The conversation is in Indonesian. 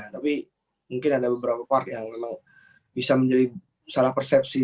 tapi mungkin ada beberapa part yang memang bisa menjadi salah persepsi